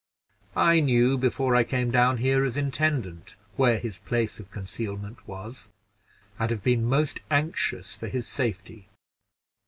I knew, before I came down here as intendant, where his place of concealment was, and have been most anxious for his safety."